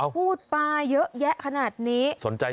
พูดปลายเยอะแยะขนาดนี้